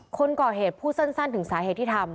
คนก่อเหตุพูดสั้นถึงสาเหตุที่ทำ